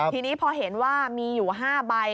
ทีนี้พอเห็นว่ามีอยู่๕ใบ